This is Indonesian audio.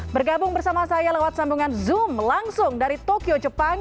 bergabung bersama saya lewat sambungan zoom langsung dari tokyo jepang